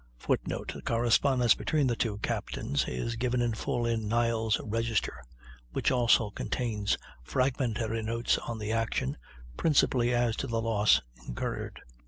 [Footnote: The correspondence between the two captains is given in full in "Niles' Register," which also contains fragmentary notes on the action, principally as to the loss incurred.